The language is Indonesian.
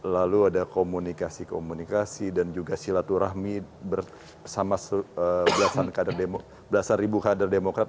lalu ada komunikasi komunikasi dan juga silaturahmi bersama belasan ribu kader demokrat